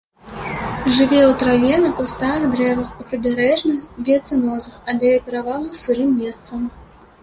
Жыве ў траве, на кустах, дрэвах у прыбярэжных біяцэнозах, аддае перавагу сырым месцам.